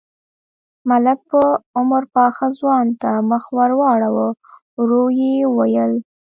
ملک په عمر پاخه ځوان ته مخ ور واړاوه، ورو يې وويل: